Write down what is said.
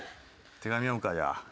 手紙読むかじゃあ。